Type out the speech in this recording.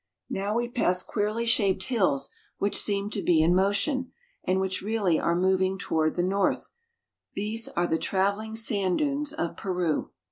Now we pass queerly shaped hills which seem to be in motion, and which really are moving to ward, the north.' These are the traveling sand dunes of Peru.